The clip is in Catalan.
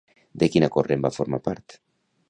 De quina corrent va formar part?